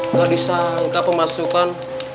nggak disangka pemasukan